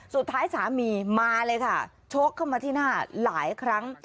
สุดท้ายสามีมาเลยค่ะชกเข้ามาที่หน้าหลายครั้ง